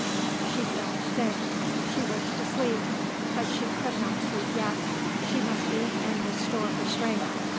_" She felt sick. She wished to sleep. But she could not sleep yet. She must eat and restore her strength.